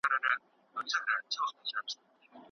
ستا بې لیدلو چي له ښاره وځم